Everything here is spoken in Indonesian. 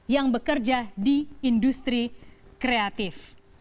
yang bekerja di industri kreatif